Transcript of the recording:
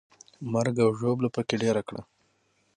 مرګ او ژوبله پکې ډېره کړه.